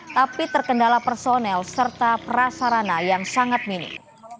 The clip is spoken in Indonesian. tapi terkendala personel serta prasarana yang sangat minim